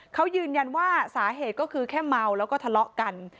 เขายืนยันว่าสาเหตุก็คือแค่เมาแล้วก็ทะเลาะกัน